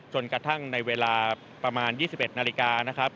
จนกระทั่งในเวลาประมาณ๒๑นาฬิกานะครับ